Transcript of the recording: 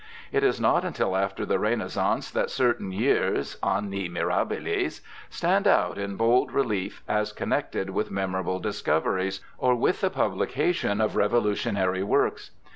It is not until after the Renaissance that certain years {anjit iiiirabiles) stand out in bold relief as connected with memorable discoveries, or with the publication of revolutionary works.